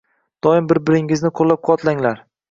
Doim bir-biringizni qoʻllab-quvvatlanglar.